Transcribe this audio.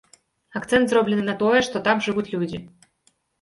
Акцэнт зроблены на тое, што там жывуць людзі.